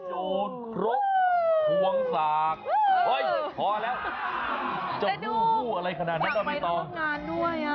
โหพรุ่งสากโอ้ยพอแล้วอะไรขนาดนั้นก็ไม่ต้องด้วยอ่ะ